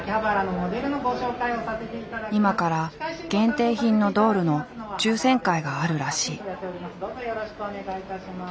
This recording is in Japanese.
今から限定品のドールの抽選会があるらしい。